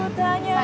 oh aku tanya malam